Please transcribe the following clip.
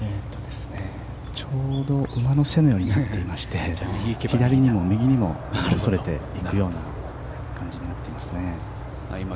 ちょうど馬の背のようになっていまして左にも右にもそれていくような感じになっています。